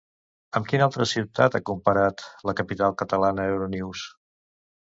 Amb quina altra ciutat ha comparat la capital catalana Euronews?